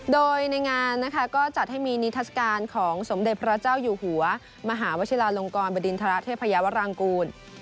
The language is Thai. โดยในงานนะคะก็จัดให้มีนิทัศกาลของสมเด็จพระเจ้าอยู่หัวมหาวชิลาลงกรบดินทรเทพยาวรางกูล